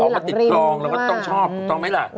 ก็คิดซื้อหลังริมต้องชอบต้องไหมล่ะ